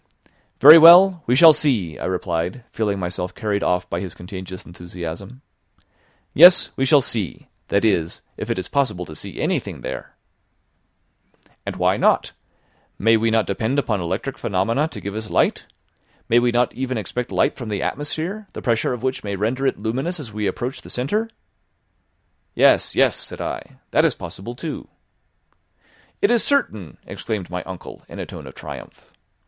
"Very well, we shall see," I replied, feeling myself carried off by his contagious enthusiasm. "Yes, we shall see; that is, if it is possible to see anything there." "And why not? May we not depend upon electric phenomena to give us light? May we not even expect light from the atmosphere, the pressure of which may render it luminous as we approach the centre?" "Yes, yes," said I; "that is possible, too." "It is certain," exclaimed my uncle in a tone of triumph.